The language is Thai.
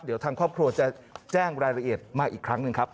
เดี๋ยวทางครอบครัวจะแจ้งรายละเอียดมาอีกครั้งหนึ่งครับ